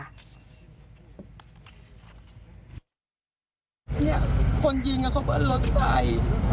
นี่คนยิงเขาเปิดรถไฟ